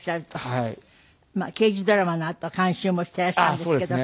刑事ドラマのあと監修もしていらっしゃるんですけど。